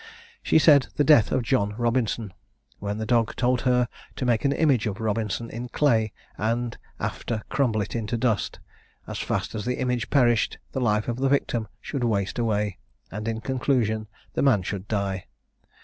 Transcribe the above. She said the death of John Robinson; when the dog told her to make an image of Robinson in clay, and after crumble it into dust, and as fast as the image perished, the life of the victim should waste away, and in conclusion the man should die.